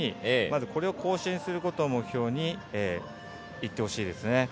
まずこれを更新することを目標にいってほしいですね。